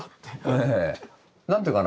なんて言うかな。